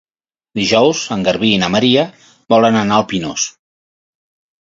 Dijous en Garbí i na Maria volen anar al Pinós.